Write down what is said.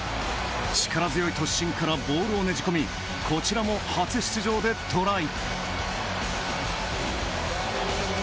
力強い突進からボールをねじ込みこちらも初出場でトライ。